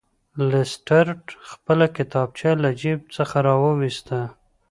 لیسټرډ خپله کتابچه له جیب څخه راویسته.